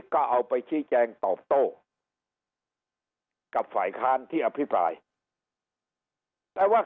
ก็เอาไปชี้แจงตอบโต้กับฝ่ายค้านที่อภิปรายแต่ว่า